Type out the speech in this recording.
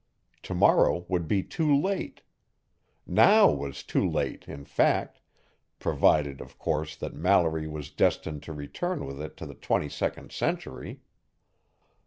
Tomorrow would be too late now was too late, in fact provided, of course, that Mallory was destined to return with it to the twenty second century.